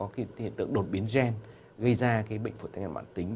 hiện tượng đột biến gen gây ra bệnh phổi tắc nghén mạng tính